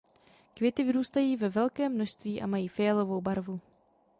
Květy vyrůstají ve velkém množství a mají fialovou barvu.